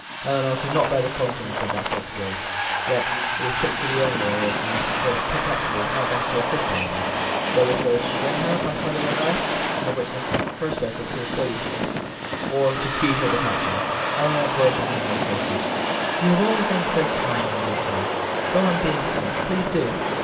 Ellinor could not bear the consciousness of that fixed gaze. Yet its fixity only arose from Mrs. Forbes' perplexity as to how best to assist Ellinor, whether to restrain her by further advice of which the first dose had proved so useless or to speed her departure. Ellinor broke on her meditations: "You have always been so kind and good to me, go on being so please, do!